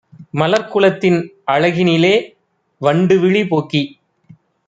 மலர்க்குலத்தின் அழகினிலே வண்டுவிழி போக்கி